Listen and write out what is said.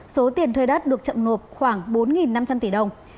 số tiền thuê đất được chậm nộp khoảng bốn năm trăm linh tỷ đồng